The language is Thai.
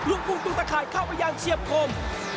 รุ่นปุ้งตุ๊กตะขายเข้าอายานเชียบโคม